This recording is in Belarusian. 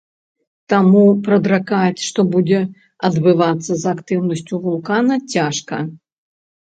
Таму прадракаць, што будзе адбывацца з актыўнасцю вулкана, цяжка.